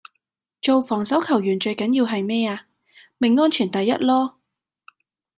做防守球員最緊要係咩呀?咪安全第一囉